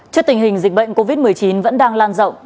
trước tình hình dịch bệnh covid một mươi chín vẫn đang lan rộng